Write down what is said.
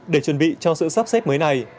để chuẩn bị cho sự sắp xếp mới này